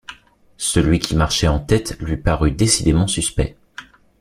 Celui qui marchait en tête lui parut décidément suspect.